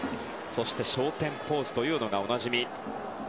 そして昇天ポーズというのがおなじみ。